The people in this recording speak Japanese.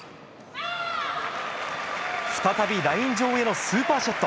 再びライン上へのスーパーショット。